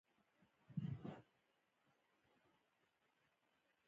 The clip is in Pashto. عظیم الجثه حیوانات له اوږدې مودې راهیسې له منځه تللي وو.